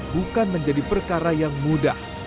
bukan menjadi perkara yang mudah